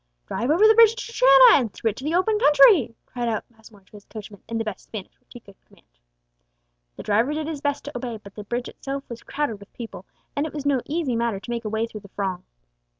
"Drive over the bridge to Triana, and through it to the open country!" cried out Passmore to his coachman, in the best Spanish which he could command. The driver did his best to obey, but the bridge itself was crowded with people, and it was no easy matter to make a way through the throng.